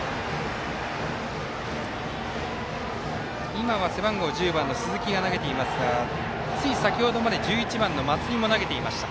今は背番号１０番の鈴木が投げていますがつい先ほどまで１１番の松井も投げていました。